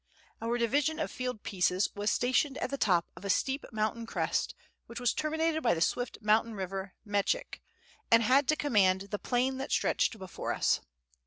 Our division of fieldpieces was stationed at the top of a steep mountain crest which was terminated by the swift mountain river Mechik, and had to command the plain that stretched before us.